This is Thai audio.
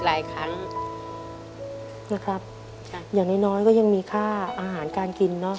หลายครั้งนะครับจ้ะอย่างน้อยน้อยก็ยังมีค่าอาหารการกินเนอะ